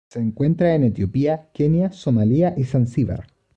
Se encuentra en Etiopía, Kenia, Somalia y Zanzíbar.